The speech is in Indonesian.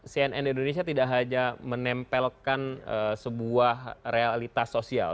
cnn indonesia tidak hanya menempelkan sebuah realitas sosial